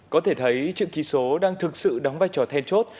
có thể thấy chữ ký số đang thực sự đóng vai trò then chốt